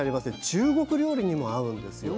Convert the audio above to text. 中国料理にも合うんですよ。